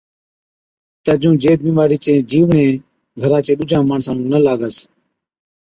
تہ جُون جي بِيمارِي چين جِيوڙين گھرا چي ڏُوجان ماڻسا نُون نہ لاگس۔